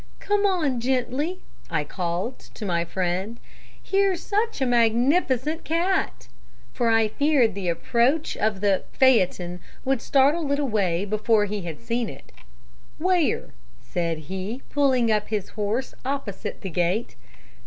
"'Come on gently,' I called to my friend; 'here's such a magnificent cat!' for I feared the approach of the phaeton would startle it away before he had seen it. "'Where?' said he, pulling up his horse opposite the gate.